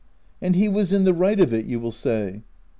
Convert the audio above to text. a And he was in the right of it," you will say.